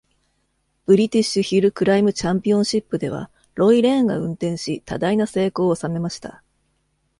ブリティッシュ・ヒル・クライム・チャンピオンシップでは、ロイ・レーンが運転し多大な成功を収めました。